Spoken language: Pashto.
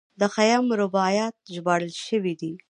د خیام رباعیات ژباړل شوي دي.